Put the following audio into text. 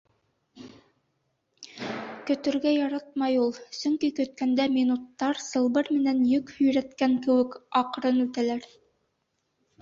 Көтөргә яратмай ул, сөнки көткәндә минуттар, сылбыр менән йөк һөйрәткән кеүек, аҡрын үтәләр.